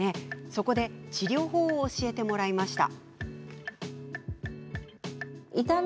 そこで治療法を教えてもらいました。